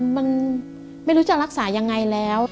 มันไม่รู้จะรักษายังไงแล้ว